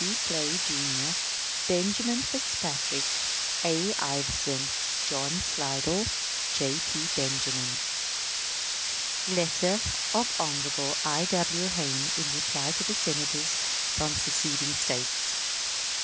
CLAY, Jr., BENJAMIN FITZPATRICK, A. IVERSON, JOHN SLIDELL, J. P. BENJAMIN. _Letter of Hon. I. W. Hayne in reply to Senators from seceding States.